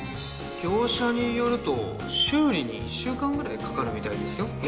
業者によると修理に１週間ぐらいかかるみたいですよ。